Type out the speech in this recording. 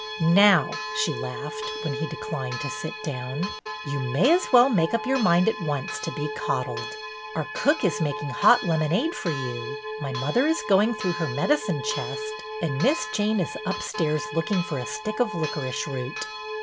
"Now," she laughed, when he declined to sit down, "you may as well make up your mind at once to be coddled. Our cook is making hot lemonade for you, my mother is going through her medicine chest, and Miss Jane is upstairs looking for a stick of licorice root.